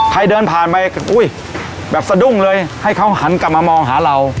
ใครเดินผ่านไปอุ้ยแบบสะดุ้งเลยให้เขาหันกลับมามองหาเรา